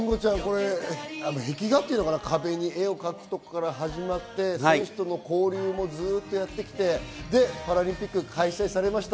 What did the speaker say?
慎吾ちゃん、壁に絵を描くところから始まって選手との交流もずっとやってきてパラリンピックが開催されました。